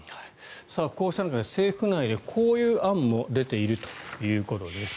こうした中で政府内でこういう案も出ているということです。